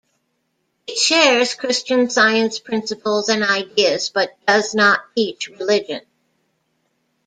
It shares Christian Science principles and ideas but does not teach religion.